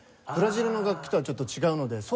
ブラジルの楽器とはちょっと違うので。